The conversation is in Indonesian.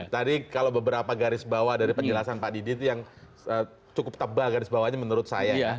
tadi kalau beberapa garis bawah dari penjelasan pak didi itu yang cukup tebal garis bawahnya menurut saya